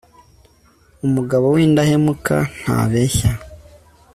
umugabo w'indahemuka ntabeshya